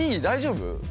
大丈夫？